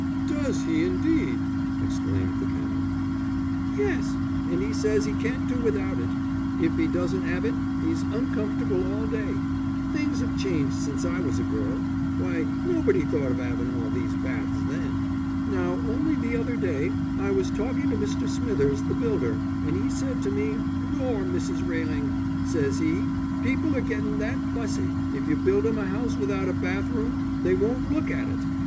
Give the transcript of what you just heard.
"Does he, indeed!" exclaimed the Canon. "Yes, and 'e says he can't do without it: if 'e doesn't 'ave it, 'e's uncomfortable all day. Things 'ave changed since I was a girl. Why, nobody thought of 'aving all these baths then. Now, only the other day I was talking to Mr. Smithers, the builder, an' he said to me: 'Lor, Mrs. Railing,' says he, 'people are getting that fussy, if you build 'em a house without a bath room they won't look at it.